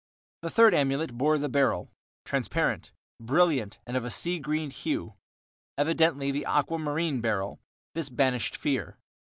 The third amulet bore the beryl, "transparent, brilliant, and of a sea green hue," evidently the aquamarine beryl; this banished fear.